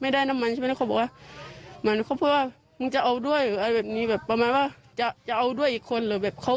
ไม่ไม่น่าจะยิงขึ้นฟ้าแบบนี้ไม่ได้โดนตัวบ้าน